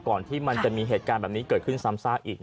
ที่มันจะมีเหตุการณ์แบบนี้เกิดขึ้นซ้ำซากอีก